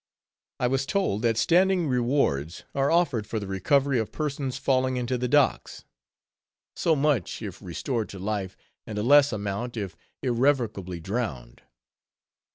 I was told that standing rewards are offered for the recovery of persons falling into the docks; so much, if restored to life, and a less amount if irrecoverably drowned.